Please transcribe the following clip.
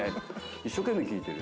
一生懸命聞いてる。